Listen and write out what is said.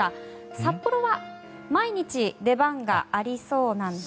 札幌は毎日出番がありそうなんです。